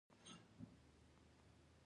آیا زموږ اداره اغیزمنه ده؟